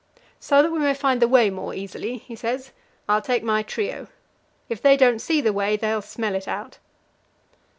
"So that we may find the way more easily," he says, "I'll take my trio. If they don't see the way, they'll smell it out."